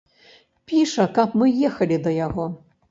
Піша, каб мы ехалі да яго.